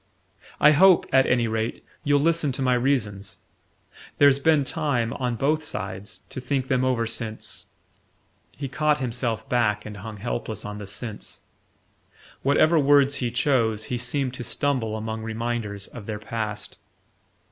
"I hope, at any rate, you'll listen to my reasons. There's been time, on both sides, to think them over since " He caught himself back and hung helpless on the "since": whatever words he chose, he seemed to stumble among reminders of their past.